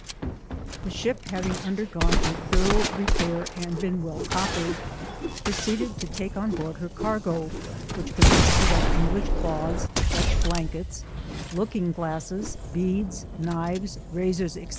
14 The ship having undeT gone a tliorough repair and been well coppered, proceeded to take on board her cargo, which consisted of English cloths, Dutch blankets, looking glasses, beads, knives, razors, &c.